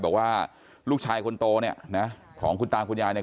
บอกว่าลูกชายคนโตเนี่ยนะของคุณตาคุณยายเนี่ย